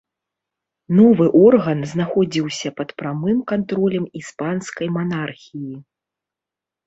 Новы орган знаходзіўся пад прамым кантролем іспанскай манархіі.